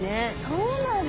そうなんだ。